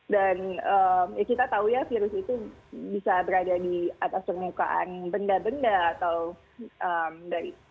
dan kita tahu ya virus itu bisa berada di atas permukaan benda benda atau dari